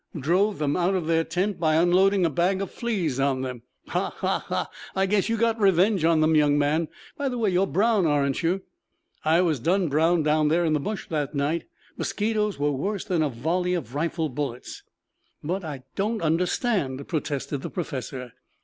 "Drove them out of their tent by unloading a bag of fleas on them. Ha, ha, ha! I guess you got revenge on them, young man. By the way, you're Brown, aren't you?" "I was done brown down there in the bush that night. Mosquitoes were worse than a volley of rifle bullets." "But I don't understand," protested the professor.